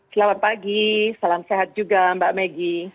selamat pagi salam sehat juga mbak megi